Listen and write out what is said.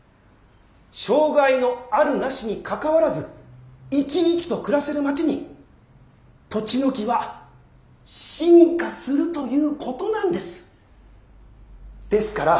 障害のあるなしにかかわらず生き生きと暮らせる街にとちのきは進化するということなんです。ですから。